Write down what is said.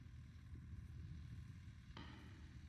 Bu shu kunga qadar isteʼmol qilingan